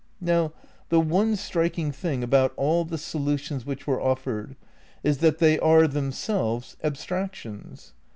^ Now the one striking thing about all the solutions which were offered is that they are themselves abstrac tions.